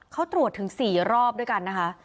เขาตรวจถึง๔รอบด้วยกันนะคะ